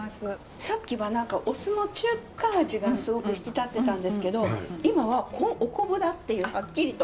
さっきは何かお酢の中華味がすごく引き立ってたんですけど今は「お昆布だ！」っていうはっきりと。